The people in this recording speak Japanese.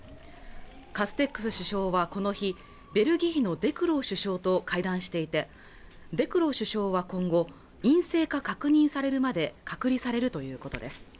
カステックス首相はこの日ベルギーのデクロー首相と会談していてデクロー首相は今後陰性が確認されるまで隔離されるということです